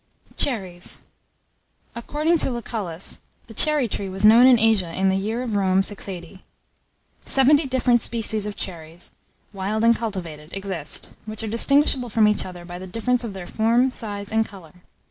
] CHERRIES. According to Lucullus, the cherry tree was known in Asia in the year of Rome 680. Seventy different species of cherries, wild and cultivated, exist, which are distinguishable from each other by the difference of their form, size, and colour.